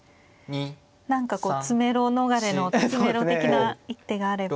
何かこう詰めろ逃れの詰めろ的な一手があれば。